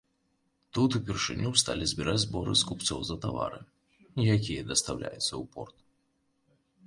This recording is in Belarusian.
Тут упершыню сталі збіраць зборы з купцоў за тавары, якія дастаўляюцца ў порт.